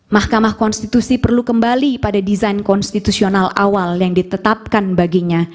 mahkamah konstitusi perlu kembali pada desain konstitusional awal yang ditetapkan baginya